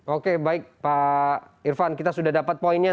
oke baik pak irfan kita sudah dapat poinnya